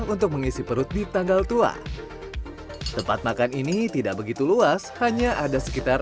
untuk mengisi perut di tanggal tua tempat makan ini tidak begitu luas hanya ada sekitar